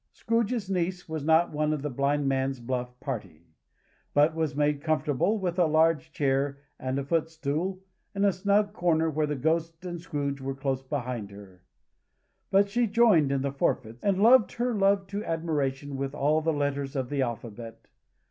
Scrooge's niece was not one of the blind man's buff party, but was made comfortable with a large chair and a footstool, in a snug corner where the Ghost and Scrooge were close behind her. But she joined in the forfeits, and loved her love to admiration with all the letters of the alphabet.